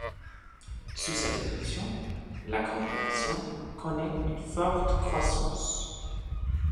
Sous sa direction, la congrégation connaît une forte croissance.